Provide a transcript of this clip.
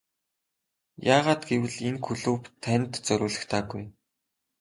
Яагаад гэвэл энэ клуб танд зориулагдаагүй.